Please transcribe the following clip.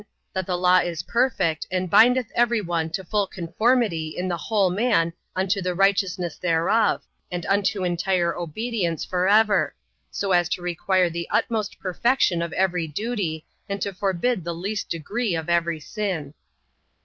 That the law is perfect, and bindeth every one to full conformity in the whole man unto the righteousness thereof, and unto entire obedience forever; so as to require the utmost perfection of every duty, and to forbid the least degree of every sin.